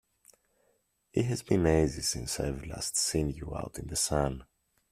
It has been ages since I've last seen you out in the sun!